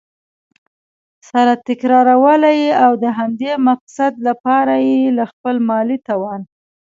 سره تكراروله؛ او د همدې مقصد له پاره یي له خپل مالي توان